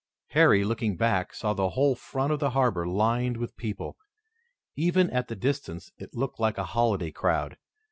Harry, looking back, saw the whole front of the harbor lined with people. Even at the distance it looked like a holiday crowd.